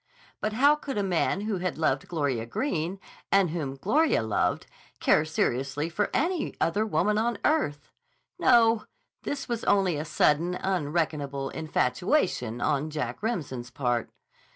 But how could a man who had loved Gloria Greene, and whom Gloria loved, care seriously for any other woman on earth? No; this was only a sudden, unreckonable infatuation on Jack Remsen's part....